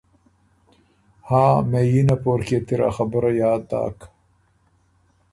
هاں مهئينه پورکيې ت اِر ا خبُره یاد داک۔